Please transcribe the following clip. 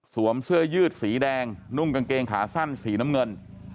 เสื้อยืดสีแดงนุ่งกางเกงขาสั้นสีน้ำเงิน